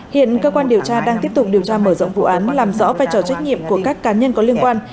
hiện cơ quan điều tra đang tiếp tục điều tra mở rộng vụ án làm rõ vai trò trách nhiệm của các cá nhân có liên quan